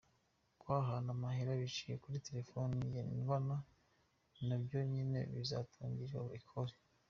Guhanahana amahera biciye kuri telefone ngendanwa na vyo nyene bizotangishwa ikori.